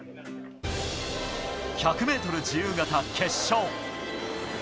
１００ｍ自由形決勝。